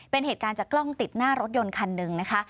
เป็นเหตุการณ์จากกล้องติดหน้ารถยนต์คันหนึ่งนะคะ